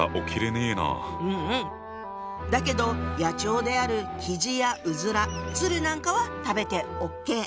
だけど野鳥であるきじやうずら鶴なんかは食べてＯＫ。